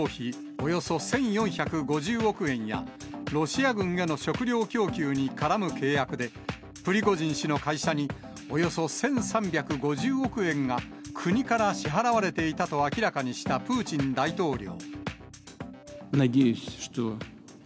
およそ１４５０億円や、ロシア軍への食料供給に絡む契約で、プリゴジン氏の会社に、およそ１３５０億円が国から支払われていたと明らかにしたプーチン大統領。